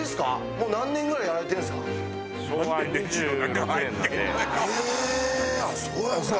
もう何年ぐらいやられてるんですか？